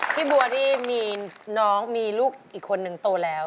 พี่บัวนี่มีน้องมีลูกอีกคนนึงโตแล้ว